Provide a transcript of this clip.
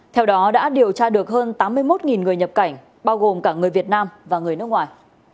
theo đó đã điều tra được hơn tám mươi một người nhập cảnh bao gồm cả người việt nam và người nước ngoài